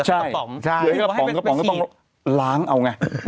ใช่หรือกระป๋องก็ล้างเอาไง